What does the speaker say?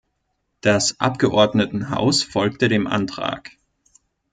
Das Abgeordnetenhaus folgte dem Antrag.